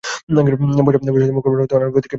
বয়সের সাথে সাথে মুখমণ্ডল আনুপাতিক হারে কমতে থাকে।